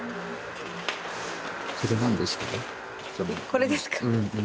これですか？